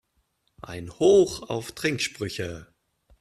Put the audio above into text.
Ein Hoch auf Trinksprüche!